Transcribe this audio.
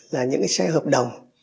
là những cái xe hợp đồng